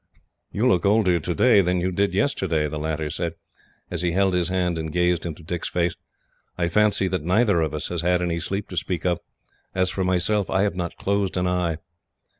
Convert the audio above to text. "You look older today than you did yesterday," the latter said, as he held his hand and gazed into Dick's face. "I fancy that neither of us has had any sleep to speak of. As for myself, I have not closed an eye."